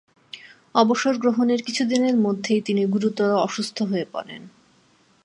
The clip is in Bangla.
অবসর গ্রহণের পর কিছুদিনের মধ্যেই তিনি গুরুতর অসুস্থ হয়ে পড়েন।